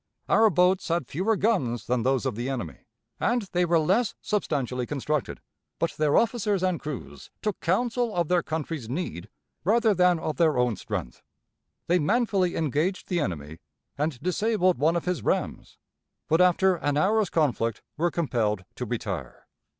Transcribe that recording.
Our boats had fewer guns than those of the enemy, and they were less substantially constructed, but their officers and crews took counsel of their country's need rather than of their own strength. They manfully engaged the enemy, and disabled one of his rams, but after an hour's conflict were compelled to retire.